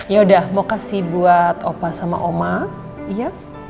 ya udah mau kasih buat opa sama oma iya